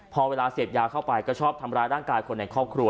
พอเวลาเสพยาเข้าไปก็ชอบทำร้ายร่างกายคนในครอบครัว